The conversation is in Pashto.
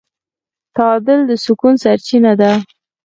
تعادل د سکون سرچینه ده.